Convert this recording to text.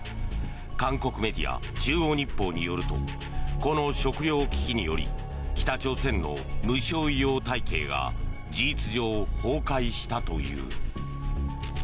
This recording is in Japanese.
韓国メディア、中央日報によるとこの食糧危機により北朝鮮の無償医療体系が事実上崩壊したという。